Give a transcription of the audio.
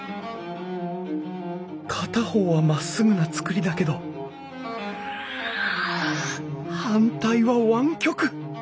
片方はまっすぐな造りだけど反対は湾曲。